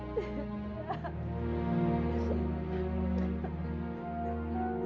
siapa ibu tuh lah